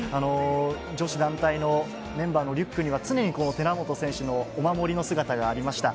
女子団体のメンバーのリュックには、常に寺本選手のお守りの姿がありました。